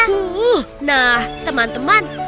uh nah teman teman